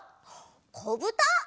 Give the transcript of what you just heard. こぶた！